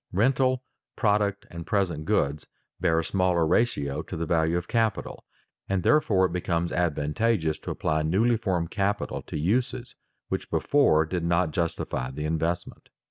Rental, product, and present goods, bear a smaller ratio to the value of capital, and therefore it becomes advantageous to apply newly formed capital to uses which before did not justify the investment.